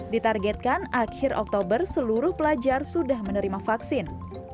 ditargetkan akhir oktober seluruh pelajar sudah menerima vaksin